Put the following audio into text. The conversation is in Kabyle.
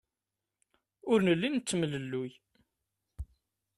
Ur nelli nettemlelluy.